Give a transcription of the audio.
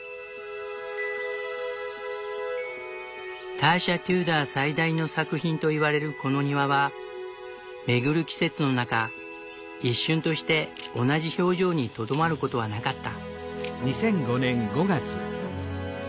ターシャ・テューダー最大の作品と言われるこの庭は巡る季節の中一瞬として同じ表情にとどまることはなかった。